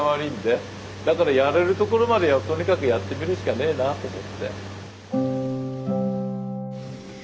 だからやれるところまでとにかくやってみるしかねえなと思って。